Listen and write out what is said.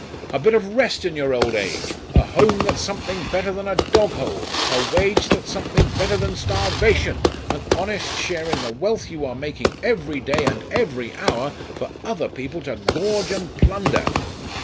a bit of rest in your old age, a home that's something better than a dog hole, a wage that's something better than starvation, an honest share in the wealth you are making every day and every hour for other people to gorge and plunder!"